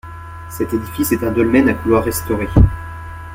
Cet édifice est un dolmen à couloir restauré.